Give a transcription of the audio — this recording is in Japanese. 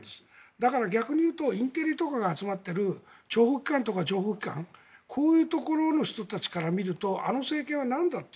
だから、逆に言うとインテリとかが集まっている諜報機関とか情報機関こういうところの人たちから見るとあの政権はなんだと。